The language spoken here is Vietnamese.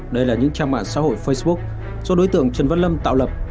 đây là những trang mạng xã hội facebook do đối tượng trần văn lâm tạo lập